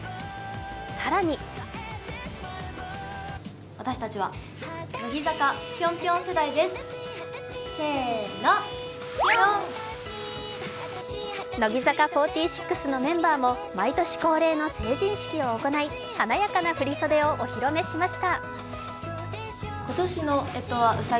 更に乃木坂４６のメンバーも毎年恒例の成人式を行い華やかな振り袖をお披露目しました。